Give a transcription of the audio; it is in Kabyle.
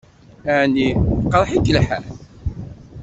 Ɛni iqṛeḥ-ik lḥal?